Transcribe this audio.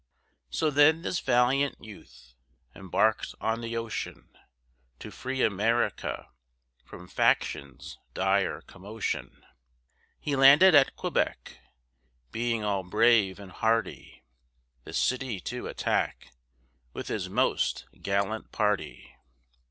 So then this valiant youth Embarked on the ocean, To free America From faction's dire commotion. He landed at Quebec, Being all brave and hearty; The city to attack, With his most gallant party.